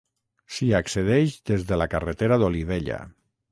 S'hi accedeix des de la carretera d'Olivella.